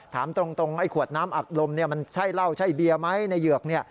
ถามตรงไอ้ขวดน้ำอัดลมมันใช่เหล้าใช่เบียร์ไหมในเหยือก